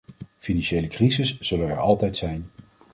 Financiële crises zullen er altijd zijn.